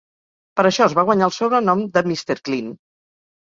Per això es va guanyar el sobrenom de Mr. Clean.